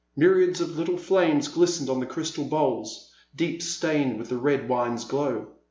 Myriads of little flames glistened on the crystal bowls, deep stained with the red wine's glow.